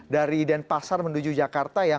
dari denpasar menuju jakarta ya